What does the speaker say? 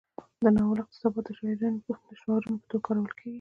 د ناول اقتباسات د شعارونو په توګه کارول کیږي.